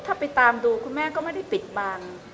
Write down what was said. ถ้าไปตามดูคุณแม่ก็ไม่ได้ปิดบัง